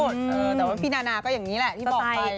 แต่ว่าพี่นานาก็อย่างนี้แหละที่บอกไป